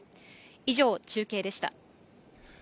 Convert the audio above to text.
以上、中継でした。